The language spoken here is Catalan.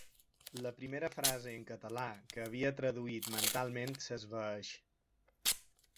La primera frase en català que havia traduït mentalment s'esvaeix.